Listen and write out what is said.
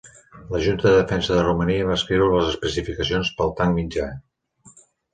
La Junta de Defensa de Romania va escriure les especificacions pel tanc mitjà.